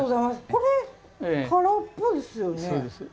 これ空っぽですよね。